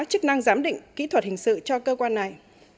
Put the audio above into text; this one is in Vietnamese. chức năng giám định kỹ thuật hình sự cho cơ quan này